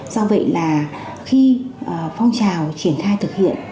do vậy là khi phong trào triển khai thực hiện